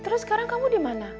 terus sekarang kamu dimana